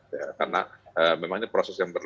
ya karena memang ini proses yang perlu